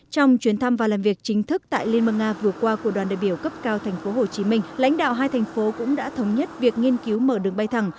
trong chuyến thăm và làm việc chính thức tại liên bang nga vừa qua của đoàn đại biểu cấp cao tp hcm lãnh đạo hai thành phố cũng đã thống nhất việc nghiên cứu mở đường bay thẳng